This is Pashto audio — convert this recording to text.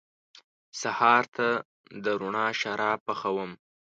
سهار ته د روڼا شراب پخوم